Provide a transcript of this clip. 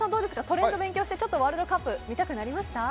トレンドを勉強してちょっとワールドカップ見たくなりました？